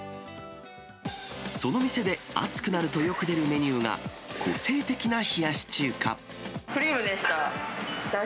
その店で暑くなるとよく出るメニューが、個性的な冷やし中華。